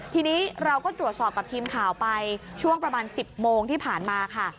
ทีนี้เราก็ตรวจสอบกับทีมข่าวไปช่วงประมาณ๑๐โมงที่ผ่านมาค่ะ